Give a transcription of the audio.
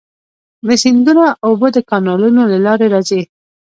د سیندونو اوبه د کانالونو له لارې راځي.